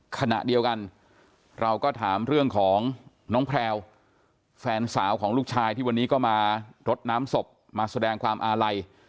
ขณะเดียวกันเราก็ถามเรื่องของน้องแพลวแฟนสาวของลูกชายที่วันนี้ก็มารดน้ำศพมาแสดงความอาลัย